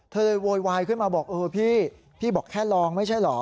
เธอเลยโวยวายขึ้นมาบอกเออพี่พี่บอกแค่ลองไม่ใช่เหรอ